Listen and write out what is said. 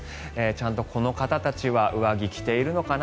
ちゃんと、この方たちは上着を着ているのかな？